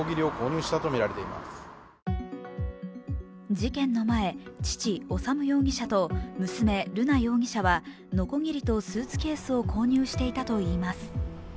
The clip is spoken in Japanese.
事件の前、父・修容疑者と娘・瑠奈容疑者は、のこぎりとスーツケースを購入していたといいます。